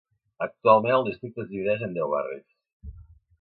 Actualment el districte es divideix en deu barris.